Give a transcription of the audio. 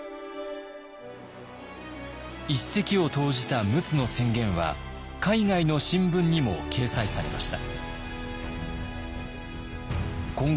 一石を投じた陸奥の宣言は海外の新聞にも掲載されました。